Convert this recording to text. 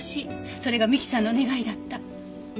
それが美樹さんの願いだった。